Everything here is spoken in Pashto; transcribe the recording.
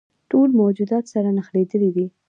ټول موجودات سره نښلیدلي دي.